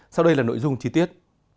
sau đây là nội dung chi tiết